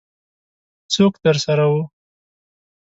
څوک درسره وو؟